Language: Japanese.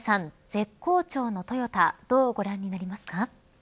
絶好調のトヨタどうご覧になりますか。